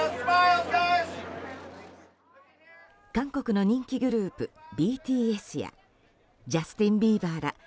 韓国の人気グループＢＴＳやジャスティン・ビーバーら